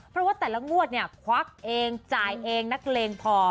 เพราะว่าแต่ละงวดเนี่ยควักเองจ่ายเองนักเลงพอ